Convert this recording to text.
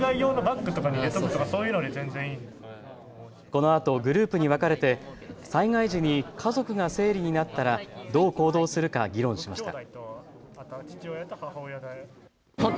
このあとグループに分かれて災害時に家族が生理になったらどう行動するか議論しました。